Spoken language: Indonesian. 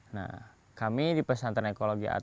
nah kami di pesantren ekologi